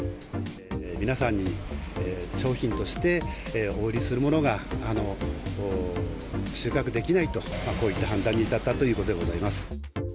皆さんに商品としてお売りするものが収穫できないと、こういった判断に至ったということでございます。